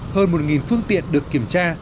hơn một phương tiện được kiểm tra